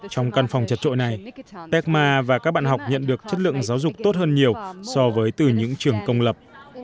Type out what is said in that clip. trong căn phòng chật trội này tekma và các bạn học nhận được chất lượng giáo dục tốt hơn nhiều so với từ những trường công lập